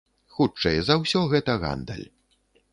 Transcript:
Хутчэй за ўсё, гэта гандаль.